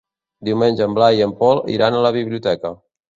Diumenge en Blai i en Pol iran a la biblioteca.